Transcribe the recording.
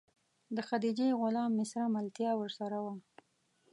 د خدیجې غلام میسره ملتیا ورسره وه.